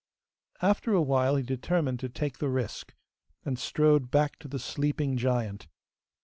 After a while, he determined to take the risk, and strode back to the sleeping giant.